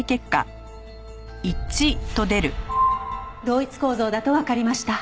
同一構造だとわかりました。